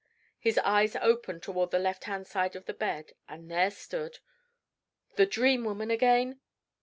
His eyes opened toward the left hand side of the bed, and there stood The Dream Woman again?